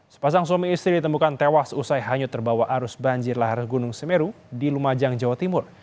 sepasang suami istri ditemukan tewas usai hanyut terbawa arus banjir lahar gunung semeru di lumajang jawa timur